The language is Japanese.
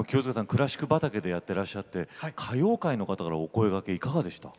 クラシック畑でやってらっしゃって歌謡界の方からお声がけいかがでした？